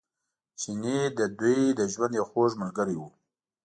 چیني د دوی د ژوند یو خوږ ملګری و.